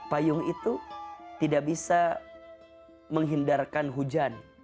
payung itu tidak bisa menghindarkan hujan